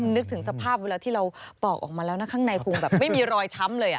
นึกถึงสภาพเวลาที่เราปอกออกมาแล้วนะข้างในคงแบบไม่มีรอยช้ำเลย